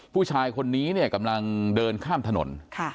ผู้ชายคนนี้เนี่ยกำลังเดินข้ามถนน